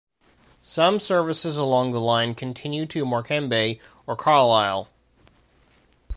Some services along the line continue to Morecambe or Carlisle.